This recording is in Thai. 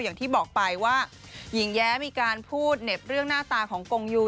อย่างที่บอกไปว่าหญิงแย้มีการพูดเหน็บเรื่องหน้าตาของกงยู